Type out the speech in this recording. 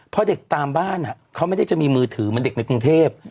เพราะเด็กตามบ้านเขาไม่ได้จะมีมือถือเหมือนเด็กในกรุงเทพ